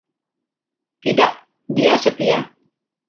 Tidak, dia setia.